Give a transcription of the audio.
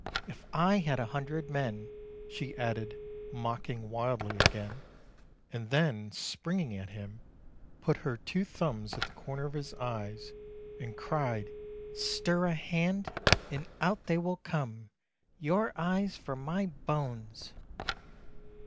If I had a hundred men —" she added, mocking wildly again, and then, springing at him, put her two thumbs at the corners of his eyes, and cried :" Stir a hand, and out they will come — your eyes, for my bones